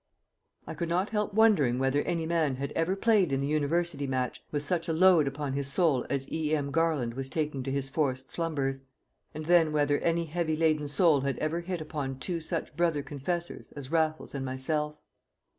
I could not help wondering whether any man had ever played in the University match with such a load upon his soul as E.M. Garland was taking to his forced slumbers; and then whether any heavy laden soul had ever hit upon two such brother confessors as Raffles and myself!